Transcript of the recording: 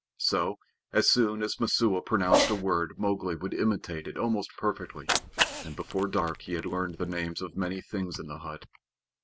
So, as soon as Messua pronounced a word Mowgli would imitate it almost perfectly, and before dark he had learned the names of many things in the hut.